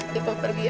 dede kamu pergi ya